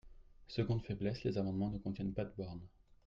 Seconde faiblesse : les amendements ne contiennent pas de borne.